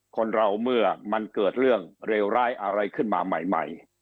คนเราเมื่อมันเกิดเรื่องเลวร้ายอะไรขึ้นมาใหม่